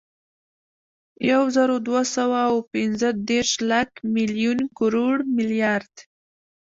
یوزرودوهسوه اوپنځهدېرش، لک، ملیون، کروړ، ملیارد